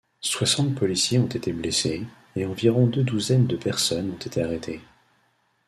Soixante policiers ont été blessés, et environ deux douzaines de personnes ont été arrêtées.